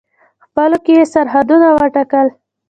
خپلو کې یې سرحدونه وټاکل.